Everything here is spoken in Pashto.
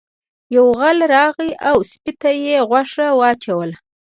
یو غل راغی او سپي ته یې غوښه واچوله.